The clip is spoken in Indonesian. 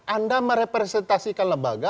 anda merepresentasikan lembaga